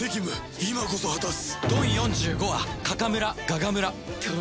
今こそ果たす！